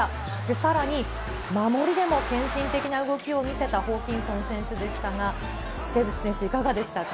さらに守りでも献身的な動きを見せたホーキンソン選手でしたが、テーブス選手、いかがでしたか？